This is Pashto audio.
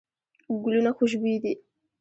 ګلونه خوشبوي دي.